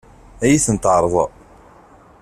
Ad iyi-ten-tɛeṛḍem?